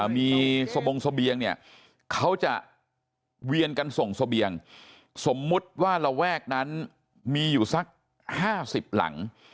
มีสบงเสบียงเนี่ยเขาจะเวียนกันส่งเสบียงสมมุติว่าระแวกนั้นมีอยู่สัก๕๐หลัง